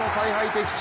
的中。